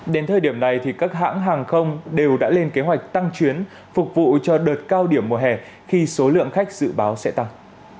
đến thời điểm này các hãng hàng không đều đã lên kế hoạch tăng chuyến phục vụ cho đợt cao điểm mùa hè khi số lượng khách dự báo sẽ tăng